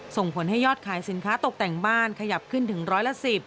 ส่งผลให้ยอดขายสินค้าตกแต่งบ้านขยับขึ้นถึงร้อยละ๑๐